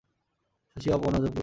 শশী এ অপমানও হজম করিল।